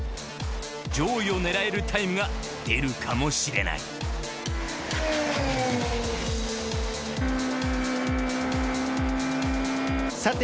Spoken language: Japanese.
上位を狙えるタイムが出るかもしれないさて